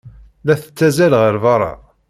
La tettazzal ɣer beṛṛa.